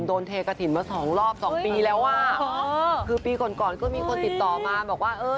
โดนเทกระถิ่นมาสองรอบสองปีแล้วอ่ะคือปีก่อนก่อนก็มีคนติดต่อมาบอกว่าเออ